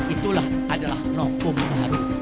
itulah adalah nukum baru